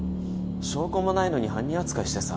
証拠もないのに犯人扱いしてさ。